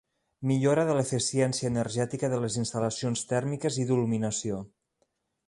Millora de l'eficiència energètica de les instal·lacions tèrmiques i d'il·luminació.